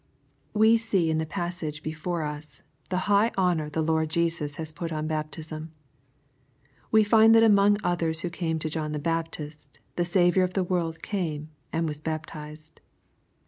We see in the passage before us^ the high honor {he Lord Jesvs has put on baptism. We find that among others who came to John the Baptist^ the Saviour of the world came, and was " baptized.'